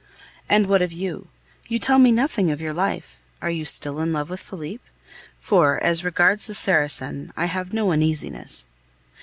And what of you? You tell me nothing of your life. Are you still in love with Felipe? For, as regards the Saracen, I have no uneasiness.